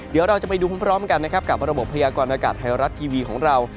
เดี๋ยวเราจะไปดูพร้อมกันนะครับกับระบบพยากรณากาศไทยรัฐทีวีของเรา